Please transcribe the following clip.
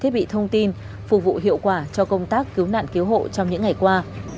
bộ hiệu quả cho công tác cứu nạn cứu hộ trong những ngày qua